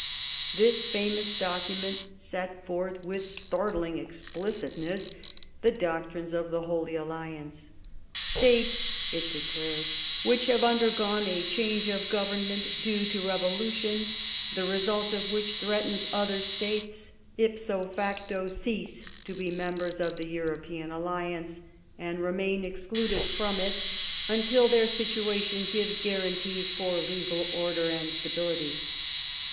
This famous docu J ment set forth with startling explicitness the doctrines of the Holy I Alliance. '* States,'' it declared, " which have undergone a change'* of Government due to revolution, the result of which threatens] other States, ipso facto cease to be members of the European! Alliance, and remain excluded from it until their situation gives; • guarantees for legal order and stability.